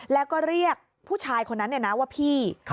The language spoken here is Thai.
แล้วก็เรียกผู้ชายคนนั้นว่าพี่